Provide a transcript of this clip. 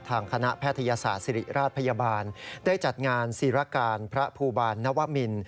ทางคณะแพทยศาสตร์ศิริราชพยาบาลได้จัดงานศิรการพระภูบาลนวมิน